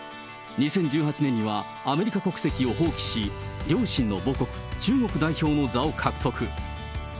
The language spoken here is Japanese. ２０１８年にはアメリカ国籍を放棄し、両親の母国、中国代表の座を獲得。